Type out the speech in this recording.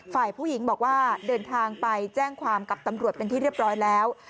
ฝ่ายผู้หญิงบอกว่าเดินทางไปแจ้งความกับตำรวจเป็นที่เรียบร้อยแล้ว